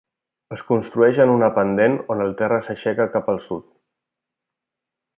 Es construeix en una pendent, on el terra s'aixeca cap al sud.